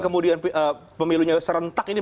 kemudian pemilunya serentak ini